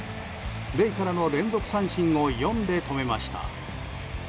レイからの連続三振を４で止めました。